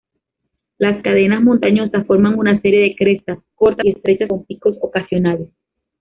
Las cadenas montañosas forman una serie de crestas, cortas y estrechas con picos ocasionales.